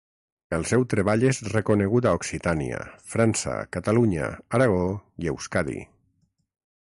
El seu treball és reconegut a Occitània, França, Catalunya, Aragó i Euskadi.